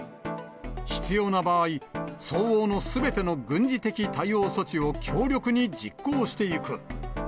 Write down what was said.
必要な場合、相応のすべての軍事的対応措置を強力に実行していく。